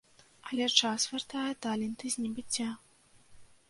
Але час вяртае таленты з небыцця.